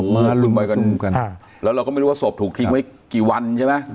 มารุมไปกันแล้วเราก็ไม่รู้ว่าศพถูกทิ้งไว้กี่วันใช่ไหม